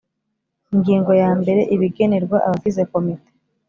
Ingingo ya mbere Ibigenerwa abagize Komite